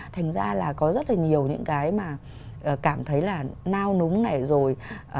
thành ra là có rất là nhiều những cái mà cảm thấy là nao núng này rồi